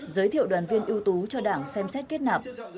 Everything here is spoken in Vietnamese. giới thiệu đoàn viên ưu tú cho đảng xem xét kết nạp